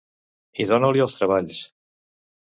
I dona-li els treballs.